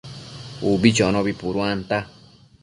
Ubi chonobi puduanta